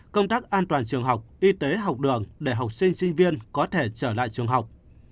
công tác an toàn trường học y tế học đường để học sinh sinh viên có thể trở lại trường học